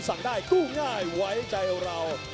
กันต่อแพทย์จินดอร์